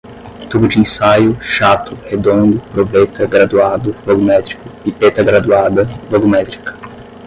tubo de ensaio, chato, redondo, proveta, graduado, volumétrico, pipeta graduada, volumétrica